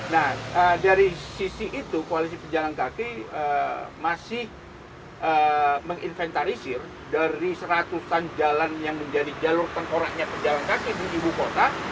nah dari sisi itu koalisi pejalan kaki masih menginventarisir dari seratusan jalan yang menjadi jalur tengkoraknya pejalan kaki di ibu kota